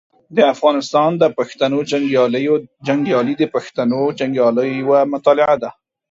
د افغانستان د پښتنو جنګیالي د پښتنو جنګیالیو یوه مطالعه ده.